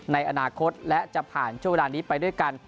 ในอนาคตและจะผ่านช่วงเวลานี้ไปด้วยกัน